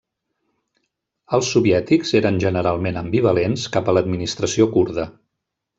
Els soviètics eren generalment ambivalents cap a l'administració kurda.